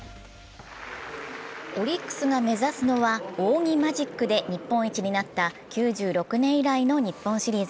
オリックスが目指すのは仰木マジックで日本一になった９６年以来の日本シリーズ。